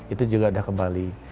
itu juga udah kembali